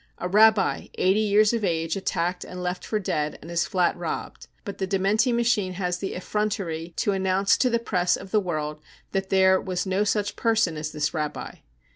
A Rabbi eighty years of age attacked and left for dead, and his flat robbed — but the dementi machine has the effrontery to announce to the press of the world that there was no such person as this Rabbi.